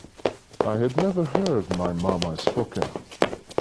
I had never heard my mama spoken of.